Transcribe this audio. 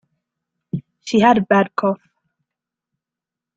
She had a bad cough.